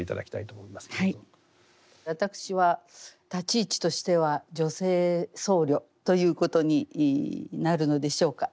私は立ち位置としては女性僧侶ということになるのでしょうか。